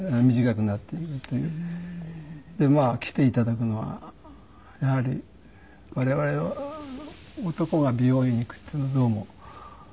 で来て頂くのはやはり我々男が美容院に行くっていうのはどうもあんまり。